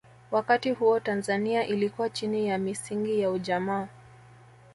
wakati huo tanzania ilikuwa chini ya misingi ya ujamaa